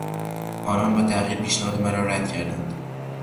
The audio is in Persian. آنان با تحقیر پیشنهاد مرا رد کردند.